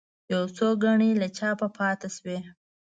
یو څو ګڼې له چاپه پاتې شوې.